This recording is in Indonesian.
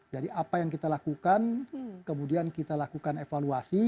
jadi apa yang kita lakukan kemudian kita lakukan evaluasi